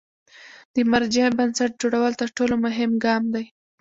د مرجع بنسټ جوړول تر ټولو مهم ګام دی.